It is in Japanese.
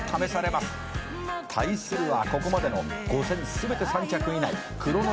「対するはここまでの５戦全て３着以内」